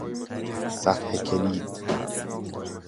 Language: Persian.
صفحهکلید.